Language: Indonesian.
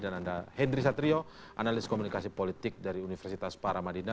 dan ada hendri satrio analis komunikasi politik dari universitas paramadina